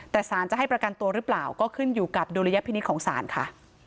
แต่สารจะให้ประกันตัวหรือเปล่าก็ขึ้นอยู่กับดุลยพินิษฐ์ของศาลค่ะ